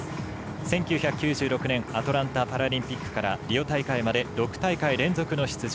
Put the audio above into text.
１９９６年アトランタパラリンピックからリオ大会まで６大会連続の出場。